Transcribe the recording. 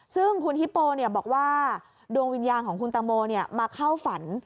ซึ่งคุณฮิปโปบอกว่าดวงวิญญาณของคุณตังโมมาเข้าฝัน